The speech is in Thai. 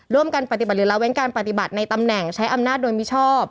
ปฏิบัติหรือละเว้นการปฏิบัติในตำแหน่งใช้อำนาจโดยมิชอบ